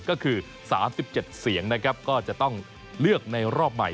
ก็คือ๓๗เสียงนะครับก็จะต้องเลือกในรอบใหม่